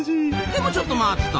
でもちょっと待った！